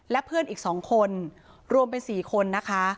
และเพื่อนอีก๒คนรวมเป็น๔คนนะคะ